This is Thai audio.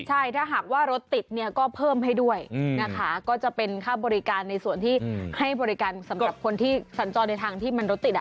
ใช่ถ้าหากว่ารถติดเนี่ยก็เพิ่มให้ด้วยนะคะก็จะเป็นค่าบริการในส่วนที่ให้บริการสำหรับคนที่สัญจรในทางที่มันรถติด